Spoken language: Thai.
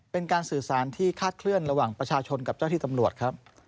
เป็นการสื่อสารที่คาดเคลื่อนระหว่างประชาชนกับเจ้าที่ตำรวจครับ